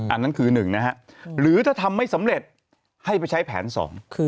อันนั้นคือหนึ่งนะฮะหรือถ้าทำไม่สำเร็จให้ไปใช้แผนสองคือ